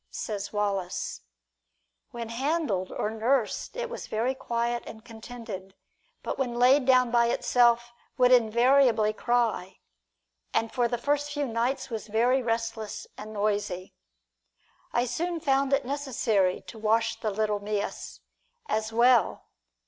Says Wallace: "When handled or nursed it was very quiet and contented, but when laid down by itself would invariably cry; and for the first few nights was very restless and noisy. I soon found it necessary to wash the little mias as well.